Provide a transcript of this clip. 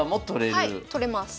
はい取れます。